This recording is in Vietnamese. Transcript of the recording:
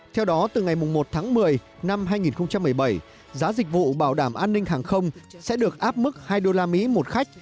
theo đó từ ngày một tháng một mươi năm hai nghìn một mươi bảy giá dịch vụ bảo đảm an ninh hàng không sẽ được áp mức hai usd một khách